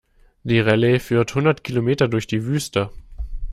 Die Rallye führt hundert Kilometer durch die Wüste.